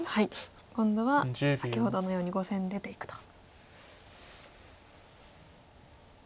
今度は先ほどのように５線出ていくと。